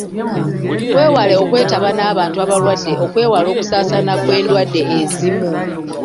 Weewale okwetaba n'abantu abalwadde okwewala okusaasaana kw'endwadde ezimu.